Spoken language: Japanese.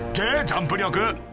ジャンプ力